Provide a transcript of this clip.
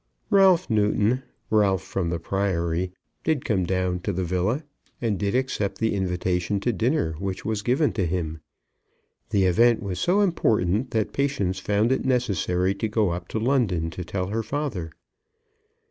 Ralph Newton, Ralph from the Priory, did come down to the villa, and did accept the invitation to dinner which was given to him. The event was so important that Patience found it necessary to go up to London to tell her father.